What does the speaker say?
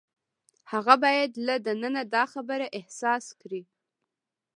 هغه باید له دننه دا خبره احساس کړي.